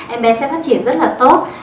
em bé sẽ phát triển rất là tốt